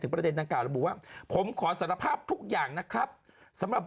ประเด็นดังกล่าระบุว่าผมขอสารภาพทุกอย่างนะครับสำหรับ